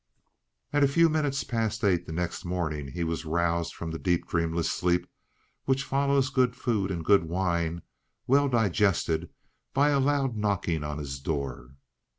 At a few minutes past eight the next morning he was roused from the deep dreamless sleep which follows good food and good wine well digested, by a loud knocking on his door.